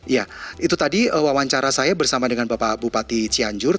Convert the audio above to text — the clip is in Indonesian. ya itu tadi wawancara saya bersama dengan bapak bupati cianjur